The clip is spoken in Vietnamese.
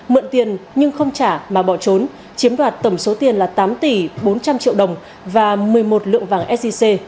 mượn tiền nhưng không trả mà bỏ trốn chiếm đoạt tổng số tiền là tám tỷ bốn trăm linh triệu đồng và một mươi một lượng vàng sic